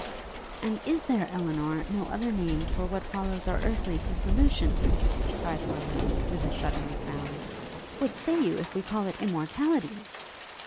'And is there, Elinor, no other name for what follows our earthly dissolution?' cried Harleigh, with a shuddering frown. 'What say you if we call it immortality?'